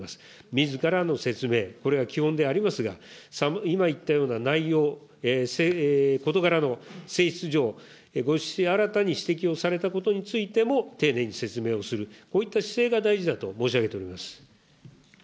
みずからの説明、これが基本でありますが、今言ったような内容、事柄の性質上、ご指摘、新たに指摘をされたことについても丁寧に説明をする、こういった姿勢が大事だと申し上げております。